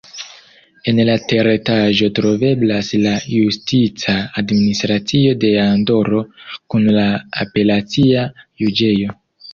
En la teretaĝo troveblas la justica administracio de Andoro kun la apelacia juĝejo.